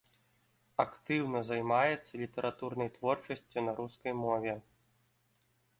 Актыўна займаецца літаратурнай творчасцю на рускай мове.